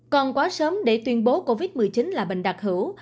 còn quá sớm để tuyên bố covid một mươi chín là bệnh đặc hữu